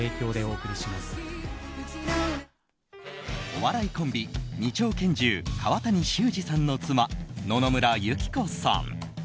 お笑いコンビ２丁拳銃川谷修士さんの妻野々村友紀子さん。